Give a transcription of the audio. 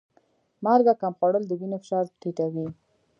مالګه کم خوړل د وینې فشار ټیټوي.